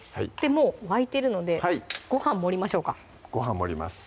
もう沸いてるのでご飯盛りましょうかご飯盛ります